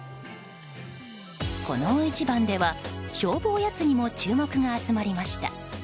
この大一番では勝負おやつにも注目が集まりました。